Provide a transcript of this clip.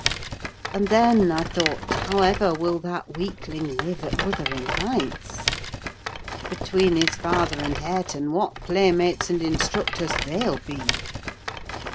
And then, I thought, how ever will that weakling live at Wuthering Heights? Between his father and Hareton, what playmates and instructors they'll be.